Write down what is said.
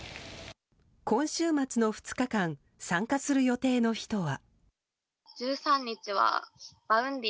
今週末の２日間参加する予定の人は。